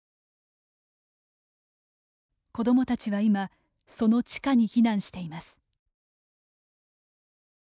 子どもたちは今その地下に避難しています。